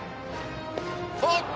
おっと！